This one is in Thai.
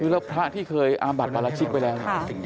นี่ครับพระที่เคยอาบัติปราชิกไปแล้ว